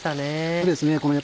そうですね